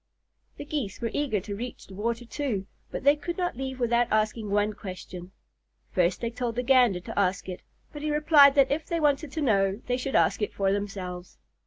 The Geese were eager to reach the water, too, but they could not leave without asking one question. First they told the Gander to ask it, but he replied that if they wanted to know, they should ask it for themselves.